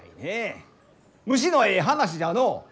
虫のえい話じゃのう！